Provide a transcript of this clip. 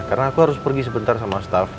karena aku harus pergi sebentar sama staff